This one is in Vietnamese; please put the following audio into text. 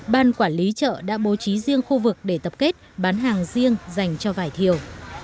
ban quản lý chợ đã bố trí riêng khu vực để tập kết bán hàng riêng dành cho vải thiều